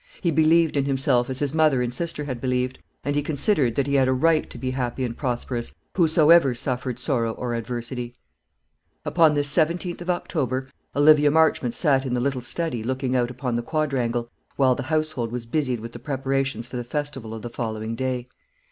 He believed in himself as his mother and sister had believed; and he considered that he had a right to be happy and prosperous, whosoever suffered sorrow or adversity. Upon this 17th of October Olivia Marchmont sat in the little study looking out upon the quadrangle, while the household was busied with the preparations for the festival of the following day.